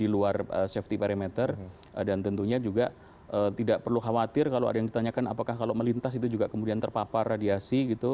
di luar safety parameter dan tentunya juga tidak perlu khawatir kalau ada yang ditanyakan apakah kalau melintas itu juga kemudian terpapar radiasi gitu